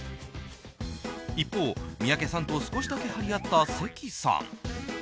一方、三宅さんと少しだけ張り合った関さん。